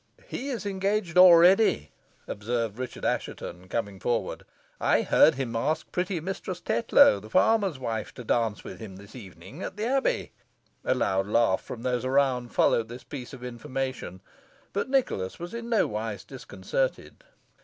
"He is engaged already," observed Richard Assheton, coming forward. "I heard him ask pretty Mistress Tetlow, the farmer's wife, to dance with him this evening at the Abbey." A loud laugh from those around followed this piece of information, but Nicholas was in no wise disconcerted.